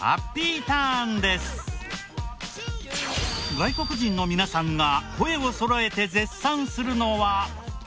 外国人の皆さんが声をそろえて絶賛するのは。